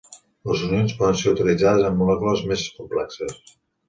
Les unions poden ser utilitzades en molècules més complexes.